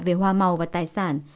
về hoa màu và tài sản